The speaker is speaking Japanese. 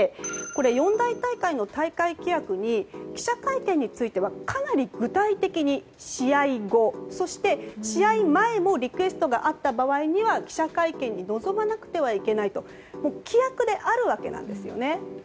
四大大会の大会規約に記者会見についてはかなり具体的に試合後、そして試合前もリクエストがあった場合には記者会見に臨まなくてはいけないと規約であるわけなんです。